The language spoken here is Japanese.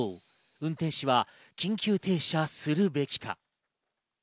運転士は緊急停車するべきか？